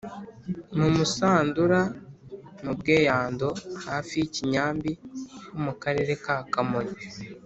mu musandura: mu bwiyando hafi ya kinyambi ho mu karere ka kamonyi